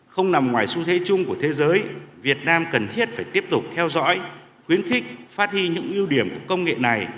không nằm ngoài xu thế chung của thế giới việt nam cần thiết phải tiếp tục theo dõi khuyến khích phát huy những ưu điểm của công nghệ này